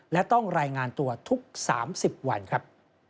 และต้องรายงานตัวทุก๓๐วันครับ